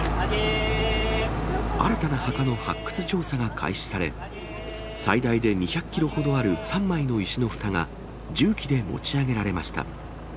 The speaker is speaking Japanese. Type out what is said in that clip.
新たな墓の発掘調査が開始され、最大で２００キロほどある３枚の石のふたが、重機で持ち上げられました。